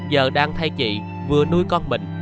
giờ đang thay chị vừa nuôi con mình